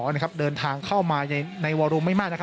มีส่อเดินทางเข้ามาในวอลรุมไม่มาก